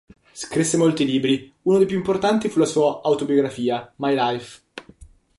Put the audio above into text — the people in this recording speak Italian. Scrisse molti libri, uno dei più importanti fu la sua autobiografia, "My life".